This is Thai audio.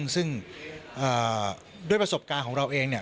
ซึ่งด้วยประสบการณ์ของเราเอง